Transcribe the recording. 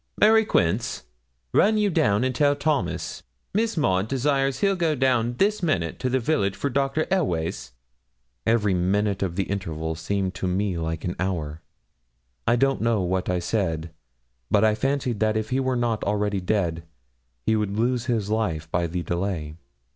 Mary Quince, run you down and tell Thomas, Miss Maud desires he'll go down this minute to the village for Dr. Elweys.' Every minute of the interval seemed to me like an hour. I don't know what I said, but I fancied that if he were not already dead, he would lose his life by the delay.